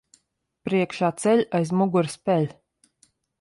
Priekšā ceļ, aiz muguras peļ.